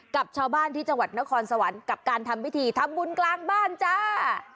กับชาวบ้านที่จังหวัดนครสวรรค์กับการทำพิธีทำบุญกลางบ้านจ้า